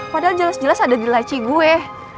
padahal jelas jelas ada di laci gue